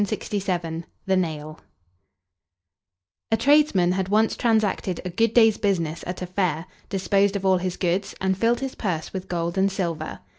THE NAIL A tradesman had once transacted a good day's business at a fair, disposed of all his goods, and filled his purse with gold and silver.